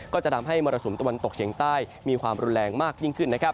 ก็จะทำให้มรสุมตะวันตกเฉียงใต้มีความรุนแรงมากยิ่งขึ้นนะครับ